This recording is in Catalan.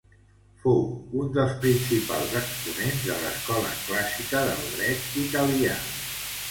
Fou un dels principals exponents de l'Escola Clàssica del dret italià.